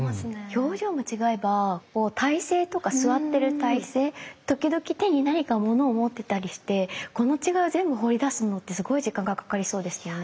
表情も違えば体勢とか坐ってる体勢時々手に何か物を持ってたりしてこの違いを全部彫り出すのってすごい時間がかかりそうですよね。